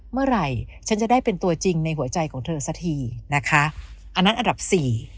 เมื่อไหร่ฉันจะได้เป็นตัวจริงในหัวใจของเธอสักทีนะคะอันนั้นอันดับสี่